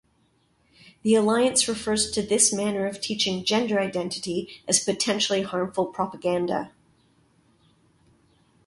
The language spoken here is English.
The Alliance refers to this manner of teaching gender identity as potentially harmful propaganda.